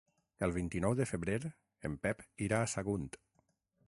El vint-i-nou de febrer en Pep irà a Sagunt.